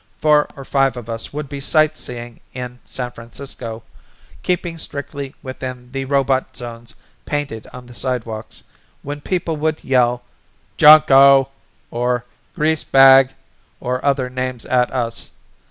"Four or five of us would be sightseeing in San Francisco, keeping strictly within the robot zones painted on the sidewalks, when people would yell 'Junko' or 'Grease bag' or other names at us.